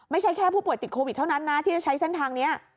ไม่ใช่แค่ผู้ป่วยติดโควิดเท่านั้นนะที่จะใช้เส้นทางนี้